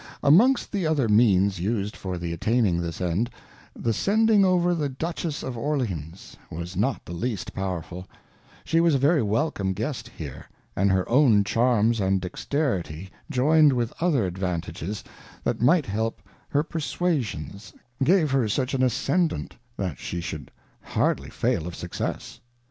Amongst the other means used for the attaining this end, the sending over the Dutchess of Orleans, was not the least powerful ; she was a very welcome Guest here, and her own Charms and Dexterity joined with other Advantages that might help her perswasions, gave her such an Ascendant, that she should hardly fail of success.